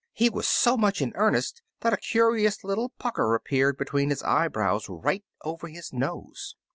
He was so much in earnest that a curious little pucker ap peared between his eyebrows right over his nose.